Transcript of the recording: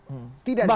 tidak ada yang salah